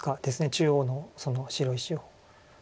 中央の白石を。